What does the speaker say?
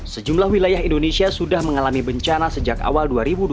sejumlah wilayah indonesia sudah mengalami bencana sejak awal dua ribu dua puluh